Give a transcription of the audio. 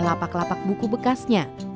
lapak lapak buku bekasnya